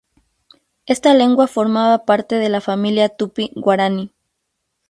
Esta lengua formaba parte de la familia tupí-guaraní.